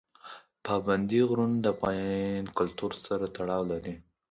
پابندی غرونه د افغان کلتور سره تړاو لري.